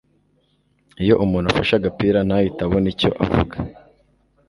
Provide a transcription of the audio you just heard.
Iyo umuntu afashe agapira ntahite abona icyo avuga